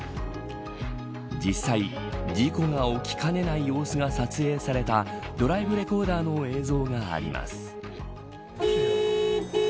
実際、事故が起きかねない様子が撮影されたドライブレコーダーの映像があります。